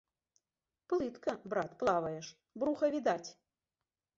Плытка, брат, плаваеш, бруха відаць!